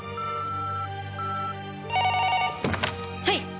はい！